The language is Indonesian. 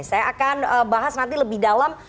saya akan bahas nanti lebih dalam